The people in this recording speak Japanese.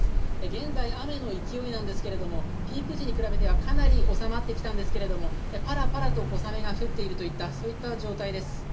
現在、雨の勢いなんですがピーク時に比べて、かなり収まってきたんですけれどもパラパラと小雨が降っているというようなそういった状態です。